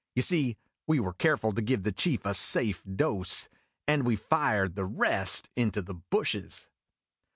You see, we were careful to give the chief a safe dose, and we fired the rest into the bushes.